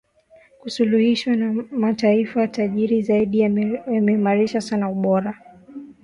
kusuluhishwa na mataifa tajiri zaidi yameimarisha sana ubora